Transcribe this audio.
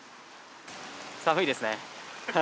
寒いですね。